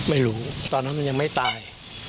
ไม่รู้ก็ตอนานแล้วมันยังไม่ตาย